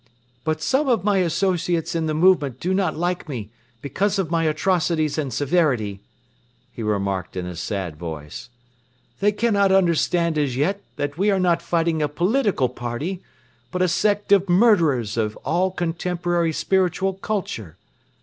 "But some of my associates in the movement do not like me because of my atrocities and severity," he remarked in a sad voice. "They cannot understand as yet that we are not fighting a political party but a sect of murderers of all contemporary spiritual culture.